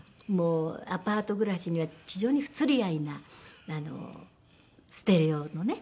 アパート暮らしには非常に不釣り合いなステレオのね。